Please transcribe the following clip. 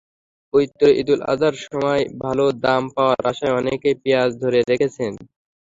পবিত্র ঈদুল আজহার সময় ভালো দাম পাওয়ার আশায় অনেকেই পেঁয়াজ ধরে রেখেছেন।